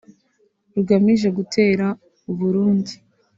rugamije gutera u Burundi